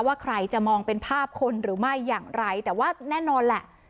ว่าใครจะมองเป็นภาพคนหรือไม่อย่างไรแต่ว่าแน่นอนแหละ